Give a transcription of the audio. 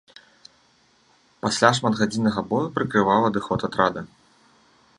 Пасля шматгадзіннага бою прыкрываў адыход атрада.